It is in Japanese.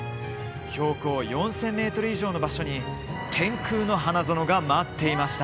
標高４０００ｍ以上の場所に天空の花園が待っていました。